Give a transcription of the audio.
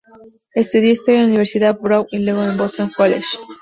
Estudió historia en la Universidad Brown y luego en el Boston College.